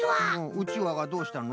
うちわがどうしたの？